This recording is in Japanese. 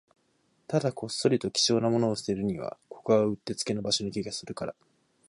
ただ、こっそりと貴重なものを捨てるには、ここはうってつけな場所な気がするから